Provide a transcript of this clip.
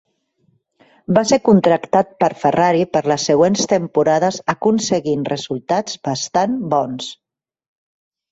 Va ser contractat per Ferrari per les següents temporades aconseguint resultats bastant bons.